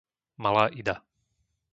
Malá Ida